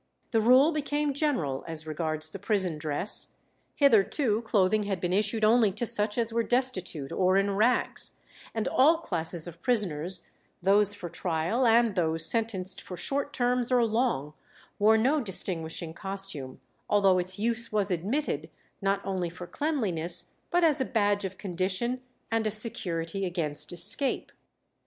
The rule became general as regards the prison dress; hitherto clothing had been issued only to such as were destitute or in rags, and all classes of prisoners, those for trial, and those sentenced for short terms or long, wore no distinguishing costume, although its use was admitted, not only for cleanliness, but as a badge of condition, and a security against escape.